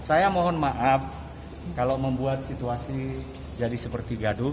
saya mohon maaf kalau membuat situasi jadi seperti gaduh